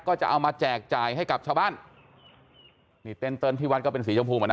ก็จะเอามาแจกจ่ายให้กับชาวบ้านนี่เต้นเติ้ลที่วัดก็เป็นสีชมพูอ่ะนะ